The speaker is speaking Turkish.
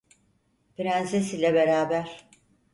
Prenses ile beraber…